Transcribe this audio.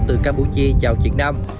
từ campuchia vào việt nam